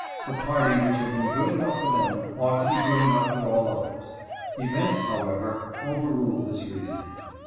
The party which had been good enough for them ought to be good enough for all others. Events, however, overruled this reasoning.